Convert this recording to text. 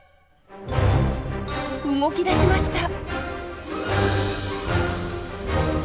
動きだしました。